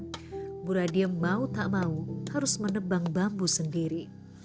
ibu radiem mau tak mau harus menebang bambu sendiri